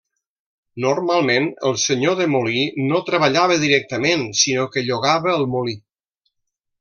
Normalment, el senyor de molí no treballava directament, sinó que llogava el molí.